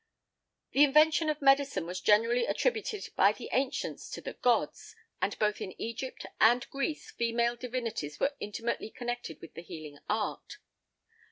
The invention of medicine was generally attributed by the ancients to the gods, and both in Egypt and Greece female divinities were intimately connected with the healing art.